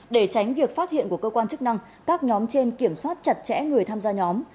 để tránh việc phát hiện của cơ quan chức năng các nhóm trên kiểm soát chặt chẽ người tham gia nhóm